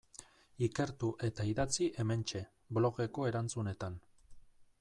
Ikertu eta idatzi hementxe, blogeko erantzunetan.